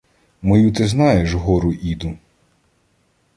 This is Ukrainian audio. Мою ти знаєш гору Іду